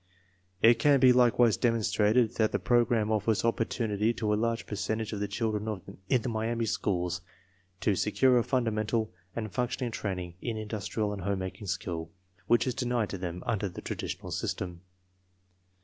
It can be likewise demonstrated that the program offers opportunity to a large percentage of the children in the Miami schools to secure a fundamental and functioning training in indus trial and home making skill which is denied to them under the traditional system.